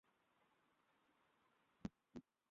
দিদি, তুমি বারণ কোরো না।